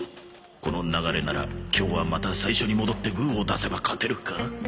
この流れなら今日はまた最初に戻ってグーを出せば勝てるか？